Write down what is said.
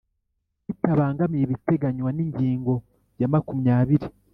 Bitabangamiye ibiteganywa n’ingingo ya makumyabiri